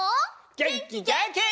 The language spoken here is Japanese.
げんきげんき！